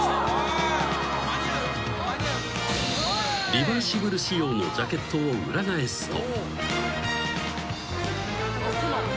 ［リバーシブル仕様のジャケットを裏返すと］